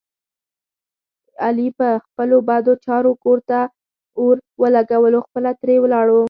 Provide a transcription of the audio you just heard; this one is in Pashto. علي په خپلو بدو چارو کور ته اور ولږولو خپله ترې ولاړو.